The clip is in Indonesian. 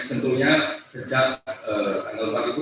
sebetulnya sejak tanggal empat itu